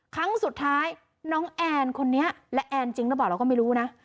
ครั้งสุดท้ายน้องแอนคนนี้และแอนจริงหรือเปล่าเราก็ไม่รู้นะ